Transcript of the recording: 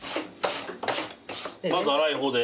まず粗い方で。